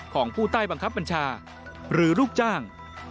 ของผู้ใต้บังคับบัญชาหรือลูกจ้าง